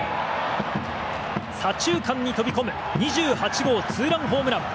左中間に飛び込む２８号ツーランホームラン。